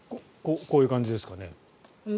こういう感じですかね。